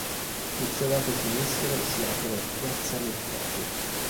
Sul suo lato sinistro si apre "piazza Mercato".